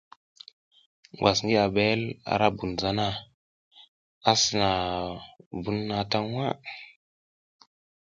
Ngwas ngi abel ara bun zana, a sina na bun na ta waʼa.